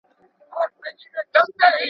د کتابتون ارامي ماته ډېره خوند راکوي.